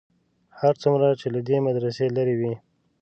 هر څومره چې له دې مدرسې لرې وې.